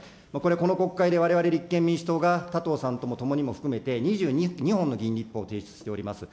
この国会でわれわれ立憲民主党が他党さんとも含めて２２本の議員立法を提出しております。